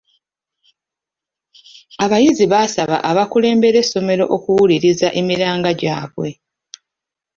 Abayizi baasaba abakulembera essomero okuwuliriza emiranga gyabwe.